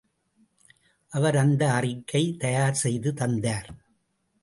அவர் அந்த அறிக்கை தயார் செய்து தந்தார்.